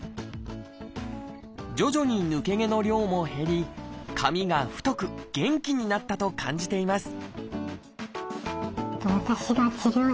徐々に抜け毛の量も減り髪が太く元気になったと感じています